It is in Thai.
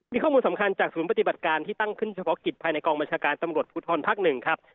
มีข้อมูลสำคัญจากศูนย์ปฏิบัติการที่ตั้งขึ้นเฉพาะกิจภายในกองบัญชาการตำรวจภูทรภักดิ์๑ครับ